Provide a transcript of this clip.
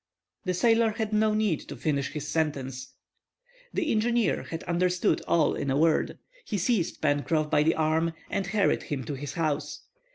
— The sailor had no need to finish his sentence. The engineer had understood all in a word. He seized Pencroff by the arm and hurried him to his house.